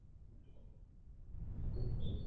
ტანად დიდი, იშვიათად საშუალო ზომის ცხოველებია.